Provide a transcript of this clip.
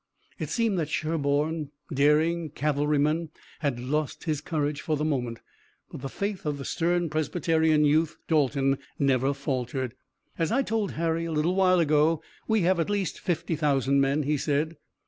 It seemed that Sherburne, daring cavalryman, had lost his courage for the moment, but the faith of the stern Presbyterian youth, Dalton, never faltered. "As I told Harry a little while ago, we have at least fifty thousand men," he said.